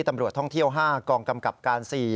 ตำรวจท่องเที่ยว๕กองกำกับการ๔